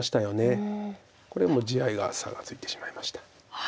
これもう地合いが差がついてしまいました。